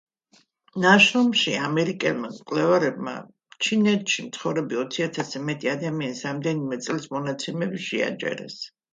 ნაშრომში ამერიკელმა მკვლევარებმა ჩინეთში მცხოვრები ოციათასზე მეტი ადამიანის რამდენიმე წლის მონაცემები შეაჯერეს.